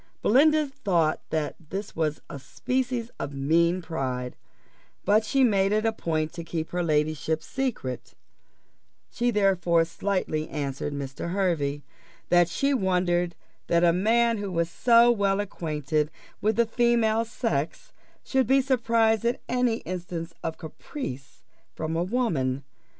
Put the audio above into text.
Belinda thought that this was a species of mean pride; but she made it a point to keep her ladyship's secret she therefore slightly answered Mr. Hervey, "that she wondered that a man who was so well acquainted with the female sex should be surprised at any instance of caprice from a woman."